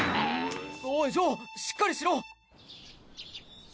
おいジョーしっかりしろ！